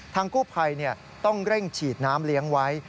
กู้ภัยต้องเร่งฉีดน้ำเลี้ยงไว้